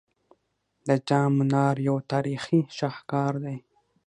د جام منار یو تاریخي شاهکار دی